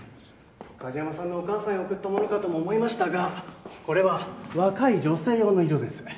梶山さんのお母さんへ贈ったものかとも思いましたがこれは若い女性用の色です。